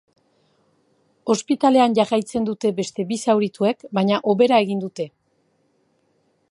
Ospitalean jarraitzen dute beste bi zaurituek, baina hobera egin dute.